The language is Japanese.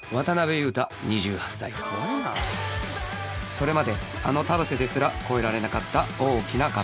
それまであの田臥ですら超えられなかった大きな壁